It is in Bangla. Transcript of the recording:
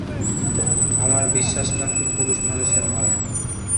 আমার বিশ্বাস নামটি পুরুষমানুষের নয়।